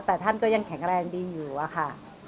แต่ท่านก็ยังแข็งแรงดีอยู่อะค่ะ